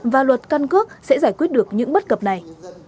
và luật căn cước sẽ giải quyết được những bất cập này